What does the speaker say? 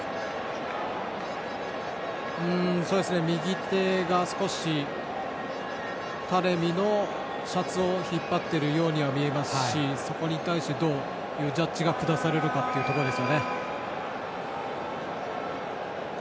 右手が少しタレミのシャツを引っ張っているように見えますしそこに対してどういうジャッジが下されるかでしょうね。